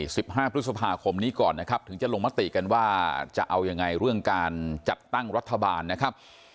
สิบห้าพฤษภาคมนี้ก่อนนะครับถึงจะลงมติกันว่าจะเอายังไงเรื่องการจัดตั้งรัฐบาลนะครับ